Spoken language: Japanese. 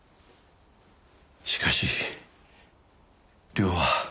しかし涼は。